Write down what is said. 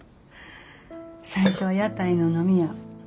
最初は屋台の飲み屋